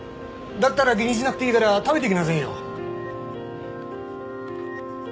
だったら気にしなくていいから食べていきなさいよ。